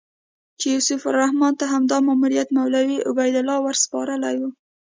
چې سیف الرحمن ته همدا ماموریت مولوي عبیدالله ورسپارلی و.